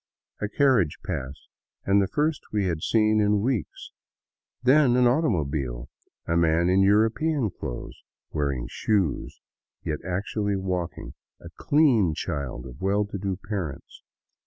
A carriage passed, the first we had seen in weeks ; then an automobile ; a man in " European " clothes, wearing shoes, yet actually walking; a clean child of well to do parents.